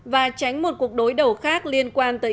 và tránh một cuộc đối đầu khác liên quan tới iran